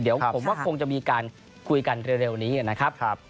เดี๋ยวผมว่าคงจะมีการคุยกันเร็วนี้นะครับ